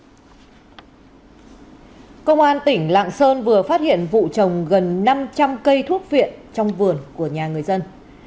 vào ngày hôm nay công an tỉnh lào cai đã phát hiện vụ trồng gần năm trăm linh cây thuốc viện trong vườn của nhà người dân